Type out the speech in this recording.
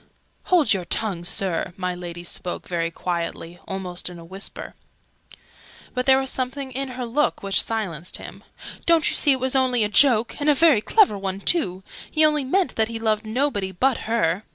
"Hold your tongue, Sir!" My Lady spoke very quietly almost in a whisper. But there was something in her look which silenced him. "Don't you see it was only a joke? And a very clever one, too! He only meant that he loved nobody but her!